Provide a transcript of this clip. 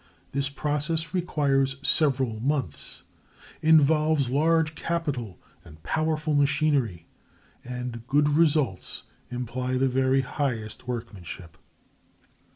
This process requires several months, involves large capital and powerful machinery, and good results imply the very highest workmanship.